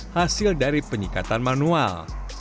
hasil dari penyekatan manual